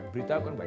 berita kan banyak